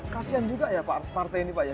kasian juga ya pak partai ini pak ya